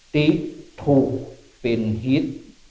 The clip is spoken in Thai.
ติธุปินฮิต